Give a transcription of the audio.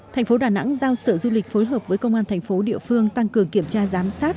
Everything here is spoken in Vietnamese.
tp đà nẵng giao sở du lịch phối hợp với công an tp địa phương tăng cường kiểm tra giám sát